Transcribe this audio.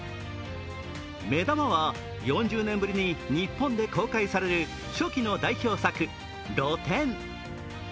目玉は４０年ぶりに日本で公開される初期の代表作「露店」。